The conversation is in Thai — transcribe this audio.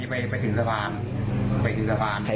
แต่มันอยู่เหลียวซ้าย